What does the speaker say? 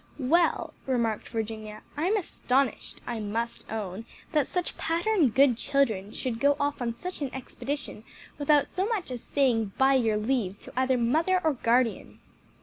"Well," remarked Virginia, "I'm astonished, I must own, that such pattern good children should go off on such an expedition without so much as saying by your leave to either mother or guardian."